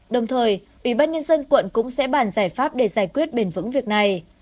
đồng thời ủy ban nhân dân quận cũng sẽ bàn giải pháp để giải quyết bền vững việc này